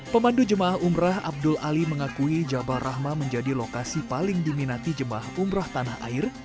pemandu jemaah umrah abdul ali mengakui jabal rahmah menjadi lokasi paling diminati jemaah umroh tanah air